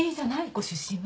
ご出身は？